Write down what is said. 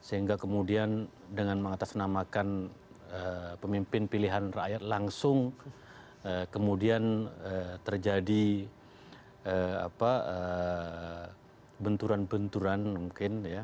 sehingga kemudian dengan mengatasnamakan pemimpin pilihan rakyat langsung kemudian terjadi benturan benturan mungkin